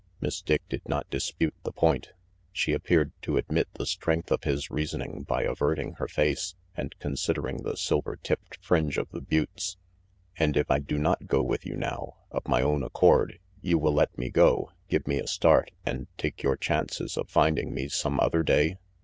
Miss Dick did not dispute the point. She appeared to admit the strength of his reasoning by averting her face and considering the silver tipped fringe of the buttes. "And if I do not go with you now, of my own accord, you will let me go, give me a start, and take your chances of finding me some other day?"